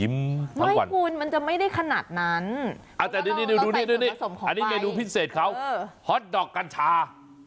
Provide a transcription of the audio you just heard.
มันจะไม่ได้ขนาดนั้นอันนี้เมนูพิเศษเขาฮอตดอกกัญชา